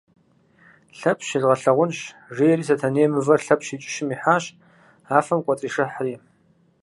Лъэпщ езгъэлъагъунщ, – жери Сэтэней мывэр Лъэпщ и кӏыщым ихьащ, афэм кӏуэцӏишыхьри.